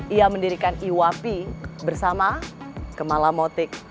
iya mendirikan iwapi bersama kemala motik